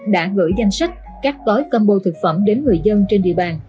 đã gửi danh sách các gói combo thực phẩm đến người dân trên địa bàn